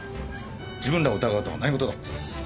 自分らを疑うとは何事だっつって。